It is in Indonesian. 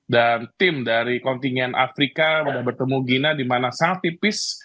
dan tim dari kontingen afrika sudah bertemu gina dimana sangat tipis